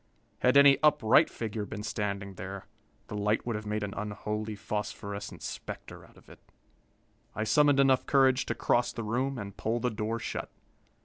Had any upright figure been standing there, the light would have made an unholy phosphorescent specter out of it. I summoned enough courage to cross the room and pull the door shut.